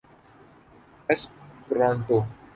Esperanto